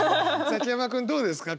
崎山君どうですか？